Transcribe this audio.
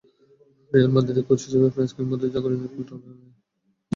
না, রিয়াল মাদ্রিদের কোচ হিসেবে ফ্রেঞ্চ কিংবদন্তির চাকরি নিয়ে কোনো টানাটানি নেই।